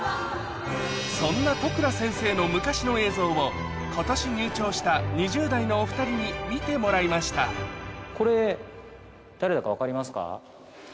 そんな都倉先生の昔の映像を今年入庁した２０代のお２人に見てもらいましたこれ。